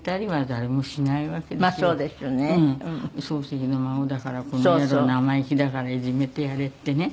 漱石の孫だからこの野郎生意気だからいじめてやれってね